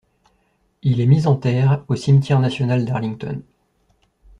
Il est mis en terre au Cimetière national d'Arlington.